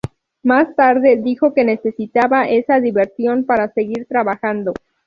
Más tarde dijo que necesitaba esa diversión para seguir trabajando.